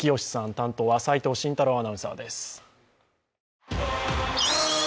担当は、齋藤慎太郎アナウンサーです。